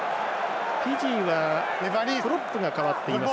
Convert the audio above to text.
フィジーはプロップが代わっています。